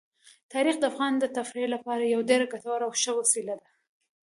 تاریخ د افغانانو د تفریح لپاره یوه ډېره ګټوره او ښه وسیله ده.